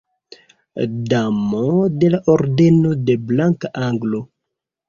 Damo de la Ordeno de Blanka Aglo.